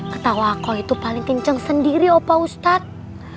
ketawa kau itu paling kenceng sendiri opa ustadz